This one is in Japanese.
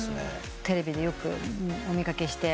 テレビでよくお見掛けして。